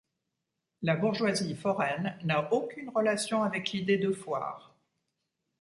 La bourgeoisie foraine n'a aucune relation avec l'idée de foire.